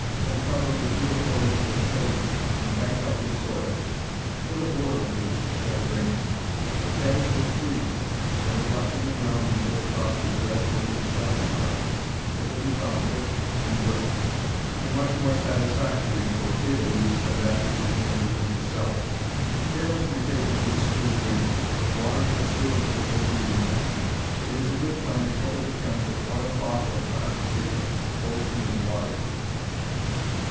Then cover with three or four inches of hay, and bank up with soil. Put a board over this to shed rain. The cabbage will freeze, but if left in the ground until the frost is gradually extracted from it it will be found crisp and brittle, and much more satisfactory for table use than that which is wintered in the cellar. Care must be taken to exclude rain. If water gets to it it will be ruined. It is a good plan to cover the trench with oilcloth or tarred paper, both being waterproof.